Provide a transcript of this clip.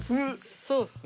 そうっすね。